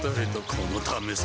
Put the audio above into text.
このためさ